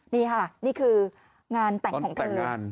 นี่ค่ะนี่คืองานแต่งของเธอตอนแต่งงาน